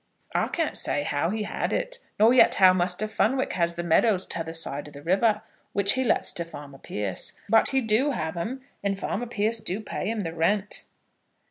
"I can't say how he had it, nor yet how Muster Fenwick has the meadows t'other side of the river, which he lets to farmer Pierce; but he do have 'em, and farmer Pierce do pay him the rent."